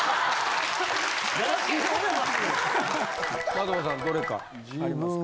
的場さんどれかありますか。